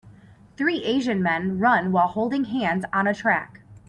Three Asian men run while holding hands on a track.